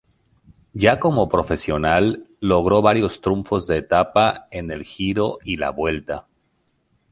Ya como profesional, logró varios triunfos de etapa en el Giro y la Vuelta.